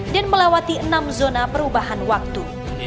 dan melewati enam zona perubahan waktu